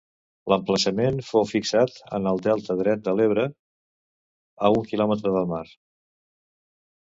L'emplaçament fou fixat en el Delta dret de l'Ebre, a un quilòmetre del mar.